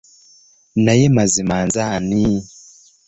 Naye mazima nze ani?